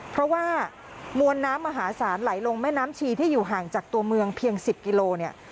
เพราะว่ามวลน้ำมหาศาลไหลลงแม่น้ำชีที่อยู่ห่างจากตัวเมืองเพียง๑๐กิโลเนี่ย